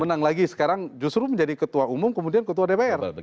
menang lagi sekarang justru menjadi ketua umum kemudian ketua dpr